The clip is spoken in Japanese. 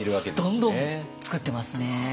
どんどん作ってますね。